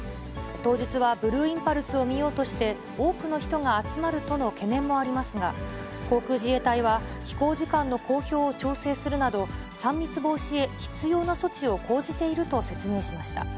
当日はブルーインパルスを見ようとして、多くの人が集まるとの懸念もありますが、航空自衛隊は飛行時間の公表を調整するなど、３密防止へ必要な措置を講じていると説明しました。